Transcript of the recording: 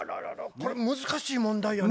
これ難しい問題やね。